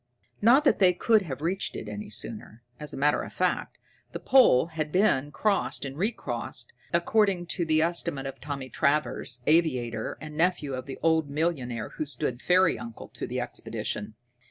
Not that they could not have reached it sooner. As a matter of fact, the pole had been crossed and re crossed, according to the estimate of Tommy Travers, aviator, and nephew of the old millionaire who stood fairy uncle to the expedition.